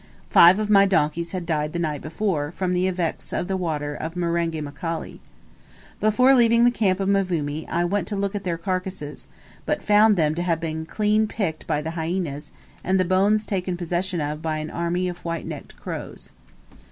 Five of my donkeys had died the night before, from the effects of the water of Marenga Mkali. Before leaving the camp of Mvumi, I went to look at their carcases; but found them to have been clean picked by the hyaenas, and the bones taken possession of by an army of white necked crows.